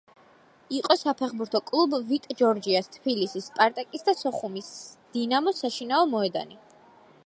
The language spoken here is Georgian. იყო საფეხბურთო კლუბ „ვიტ ჯორჯიას“, თბილისის „სპარტაკის“ და სოხუმის „დინამოს“ საშინაო მოედანი.